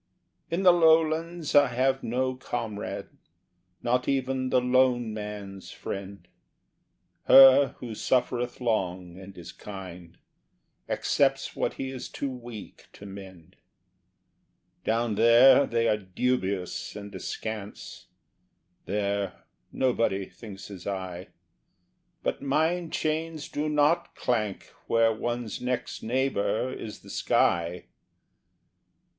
In the lowlands I have no comrade, not even the lone man's friend— Her who suffereth long and is kind; accepts what he is too weak to mend: Down there they are dubious and askance; there nobody thinks as I, But mind chains do not clank where one's next neighbour is the sky.